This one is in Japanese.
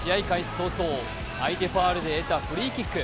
早々、相手ファウルで得たフリーキック。